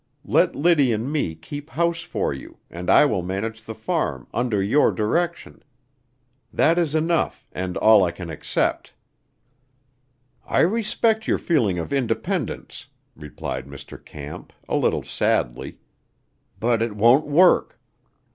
Let Liddy and me keep house for you, and I will manage the farm, under your direction. That is enough, and all I can accept." "I respect your feeling of independence," replied Mr. Camp, a little sadly, "but it won't work.